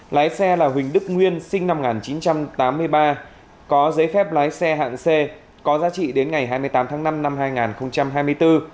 lái xe là huỳnh đức nguyên sinh năm một nghìn chín trăm tám mươi ba có giấy phép lái xe hạng c có giá trị đến ngày hai mươi tám tháng năm năm hai nghìn hai mươi bốn